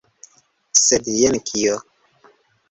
Sed jen kio!